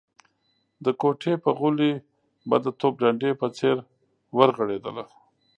د کوټې په غولي به د توپ ډنډې په څېر ورغړېدله.